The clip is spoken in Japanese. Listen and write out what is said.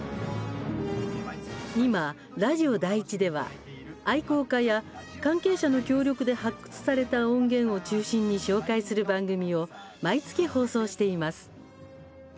今、ラジオ第１では愛好家や関係者の協力で発掘された音源を中心に紹介する番組を毎月、放送しています。